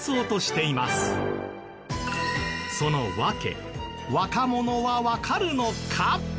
その訳若者はわかるのか？